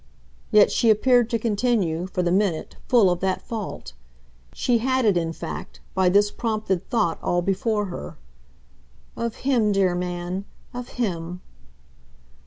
Yet she appeared to continue, for the minute, full of that fault. She had it in fact, by this prompted thought, all before her. "Of him, dear man, of HIM